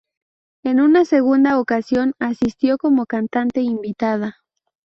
En una segunda ocasión asistió como cantante invitada.